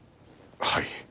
はい。